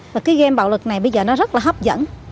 và cái game bạo lực này bây giờ nó rất là hấp dẫn